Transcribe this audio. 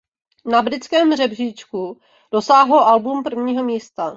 Na britském žebříčku dosáhlo album prvního místa.